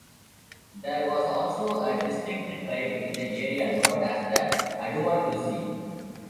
There was also a distinct tribe in the area known as the Aduatuci.